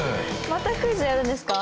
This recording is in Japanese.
またクイズやるんですか？